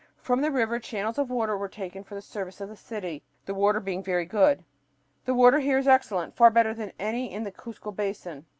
From the river channels of water were taken for the service of the city, the water being very good." The water here is excellent, far better than any in the Cuzco Basin.